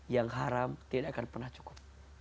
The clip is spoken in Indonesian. yang haram tidak akan pernah cukup